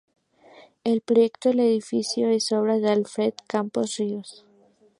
El proyecto del edificio es obra de Alfredo R. Campos.